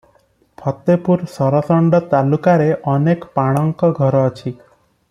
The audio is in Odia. ଫତେପୁର ସରଷଣ୍ତ ତାଲୁକାରେ ଅନେକ ପାଣଙ୍କ ଘର ଅଛି ।